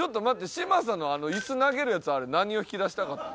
嶋佐のあの椅子投げるやつあれ何を引き出したかったん？